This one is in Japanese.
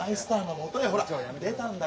出たんだ